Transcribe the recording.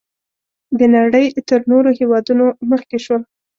د نړۍ تر نورو هېوادونو مخکې شول.